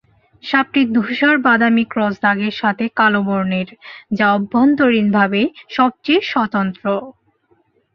সাপটি ধূসর-বাদামি ক্রস দাগের সাথে কালো বর্ণের, যা অভ্যন্তরীণভাবে সবচেয়ে স্বতন্ত্র।